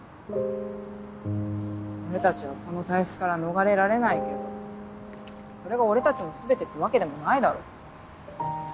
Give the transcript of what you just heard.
俺たちはこの体質から逃れられないけどそれが俺たちの全てってわけでもないだろ。